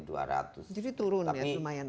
jadi turun ya lumayan rata